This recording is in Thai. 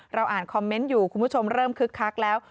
อ่านคอมเมนต์อยู่คุณผู้ชมเริ่มคึกคักแล้ว